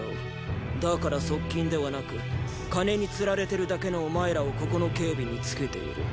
だから側近ではなく金につられてるだけのお前らをここの警備につけている。